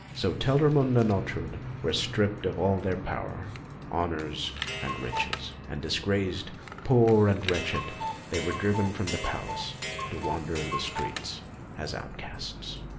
So Telramund and Ortrud were stripped of all their power, honours, and riches; and disgraced, poor, and wretched, they were driven from the palace, to wander in the streets as outcasts.